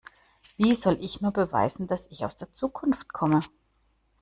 Wie soll ich nur beweisen, dass ich aus der Zukunft komme?